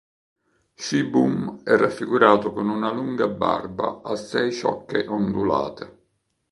Shibum è raffigurato con una lunga barba a sei ciocche ondulate.